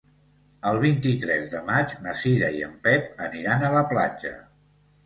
El vint-i-tres de maig na Cira i en Pep aniran a la platja.